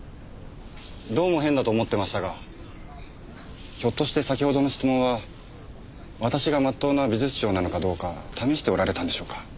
どうも変だと思ってましたがひょっとして先ほどの質問は私が真っ当な美術商なのかどうか試しておられたんでしょうか？